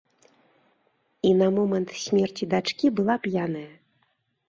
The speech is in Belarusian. І на момант смерці дачкі была п'яная.